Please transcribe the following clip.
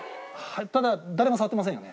ただ誰も触ってませんよね？